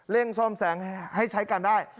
เร่งซ่อมแสงให้ใช้กันได้